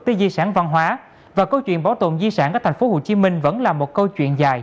tới di sản văn hóa và câu chuyện bảo tồn di sản ở tp hcm vẫn là một câu chuyện dài